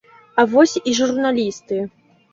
А вось і журналісты.